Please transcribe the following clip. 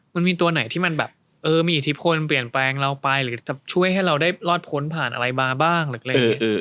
มันมีตัวไหนที่มันแบบเออมีอิทธิพลเปลี่ยนแปลงเราไปหรือจะช่วยให้เราได้รอดพ้นผ่านอะไรมาบ้างหรืออะไรอย่างนี้